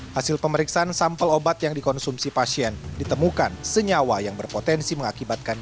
hasil pemeriksaan sampel obat yang dikonsumsi pasien ditemukan senyawa yang berpotensi mengakibatkan